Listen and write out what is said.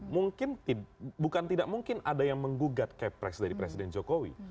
mungkin bukan tidak mungkin ada yang menggugat kepres dari presiden jokowi